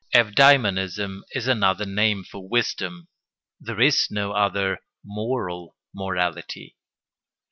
Eudæmonism is another name for wisdom: there is no other moral morality.